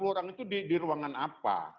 lima puluh orang itu di ruangan apa